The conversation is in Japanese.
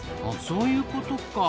そういうことか。